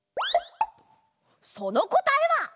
そのこたえは。